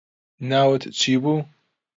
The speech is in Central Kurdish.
ناوت چی بوو